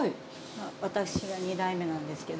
私が２代目なんですけど。